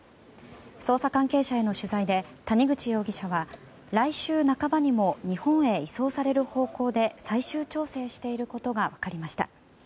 捜査関係者への取材で谷口容疑者は来週半ばにも日本へ移送される方向で最終調整していることが分かりました。